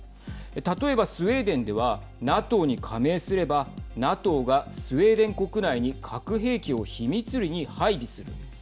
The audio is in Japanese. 例えば、スウェーデンではＮＡＴＯに加盟すればＮＡＴＯがスウェーデン国内に核兵器を秘密裏に配備する。